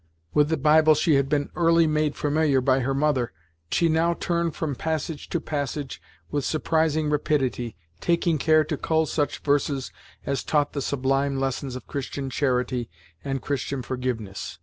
With the Bible she had been early made familiar by her mother, and she now turned from passage to passage with surprising rapidity, taking care to cull such verses as taught the sublime lessons of Christian charity and Christian forgiveness.